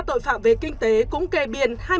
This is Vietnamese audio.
tội phạm về kinh tế cũng kê biên